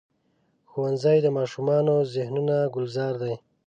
ښوونځی د ماشومو ذهنونو ګلزار دی